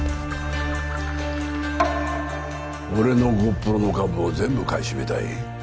俺のゴップロの株を全部買い占めたい？